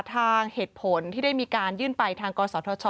ทางเหตุผลที่ได้มีการยื่นไปทางกศธช